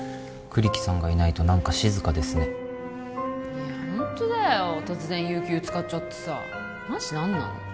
栗木さんがいないと何か静かですねいやホントだよ突然有休使っちゃってさマジ何なの？